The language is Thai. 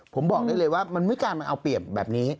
ผมบอกได้เลยว่ามันไม่การมาเอาเปรียบแบบนี้